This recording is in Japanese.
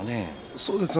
そうですね